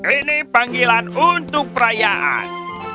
ini panggilan untuk perayaan